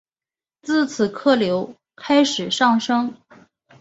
自此客流开始上升。